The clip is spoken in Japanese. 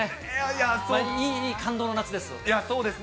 いい感動の夏です。